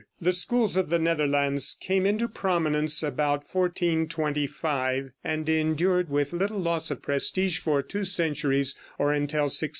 The schools of the Netherlands came into prominence about 1425, and endured, with little loss of prestige, for two centuries, or until 1625.